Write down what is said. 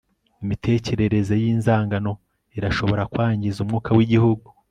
imitekerereze y'inzangano irashobora kwangiza umwuka w'igihugu